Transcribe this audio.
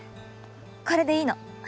これでいいの。